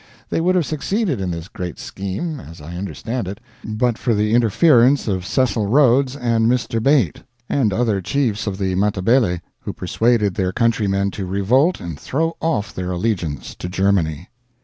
They would have succeeded in this great scheme, as I understand it, but for the interference of Cecil Rhodes and Mr. Beit, and other Chiefs of the Matabele, who persuaded their countrymen to revolt and throw off their allegiance to Germany.